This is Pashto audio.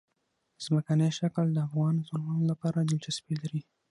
ځمکنی شکل د افغان ځوانانو لپاره دلچسپي لري.